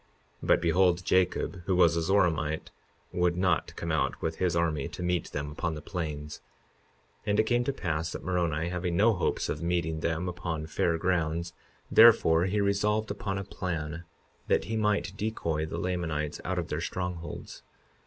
But behold, Jacob, who was a Zoramite, would not come out with his army to meet them upon the plains. 52:21 And it came to pass that Moroni, having no hopes of meeting them upon fair grounds, therefore, he resolved upon a plan that he might decoy the Lamanites out of their strongholds.